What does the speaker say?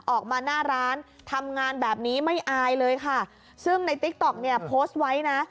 ออกมาหน้าร้านทำงานแบบนี้ไม่อายเลยค่ะซึ่งในติ๊กต๊อกเนี่ยโพสต์ไว้นะ